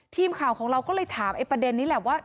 ทีมข่าวของเราก็เลยถามไอ้ประเด็นนี้แหละว่า